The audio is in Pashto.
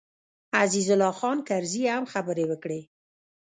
عزیز الله خان کرزي هم خبرې وکړې.